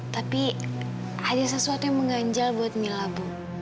tapi ada sesuatu yang mengganjal buat mila bu